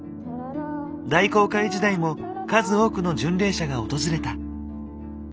大航海時代も数多くの巡礼者が訪れた。